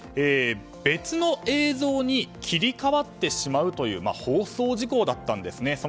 別の映像に切り替わってしまうという放送事故だったんですね。